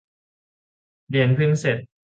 เรียนเพิ่งเสร็จ